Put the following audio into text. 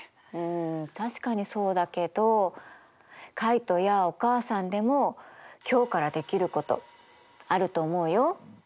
うん確かにそうだけどカイトやお母さんでも今日からできることあると思うよ。